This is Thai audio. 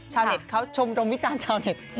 ชาวเน็ตเขาชมรมวิจารณ์ชาวเน็ต